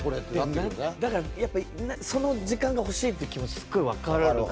その時間が欲しいっていう気持ち、すごい分かる。